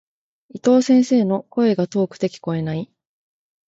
伊藤先生の、声が遠くて聞こえない。